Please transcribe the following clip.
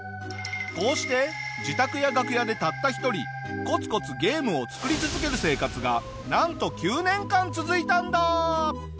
こうして自宅や楽屋でたった１人こつこつゲームを作り続ける生活がなんと９年間続いたんだ。